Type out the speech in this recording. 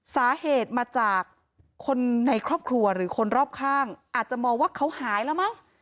สาเหตุมาจากคนในครอบครัวหรือคนรอบข้างอาจจะมองว่าเขาหายแล้วมั้ง